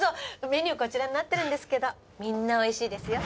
メニューこちらになってるんですけどみんなおいしいですよ。